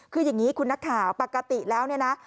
คืออย่างนี้คุณนักข่าวปกติแล้วเนี่ยนะ